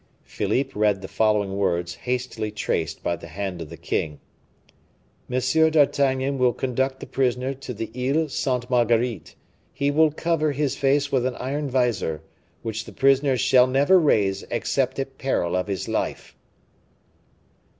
Philippe read the following words, hastily traced by the hand of the king: "M. d'Artagnan will conduct the prisoner to the Ile Sainte Marguerite. He will cover his face with an iron vizor, which the prisoner shall never raise except at peril of his life."